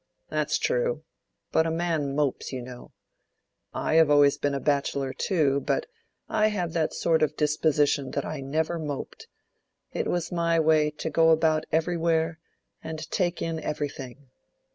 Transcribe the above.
"That's true. But a man mopes, you know. I have always been a bachelor too, but I have that sort of disposition that I never moped; it was my way to go about everywhere and take in everything.